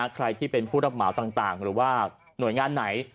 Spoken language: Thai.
ใครที่เป็นผู้รับเหมาต่างหรือว่าหน่วยงานไหน